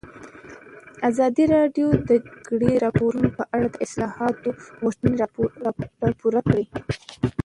ازادي راډیو د د جګړې راپورونه په اړه د اصلاحاتو غوښتنې راپور کړې.